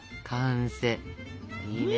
いいね。